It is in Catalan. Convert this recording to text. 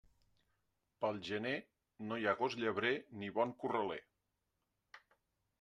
Pel gener no hi ha gos llebrer ni bon corraler.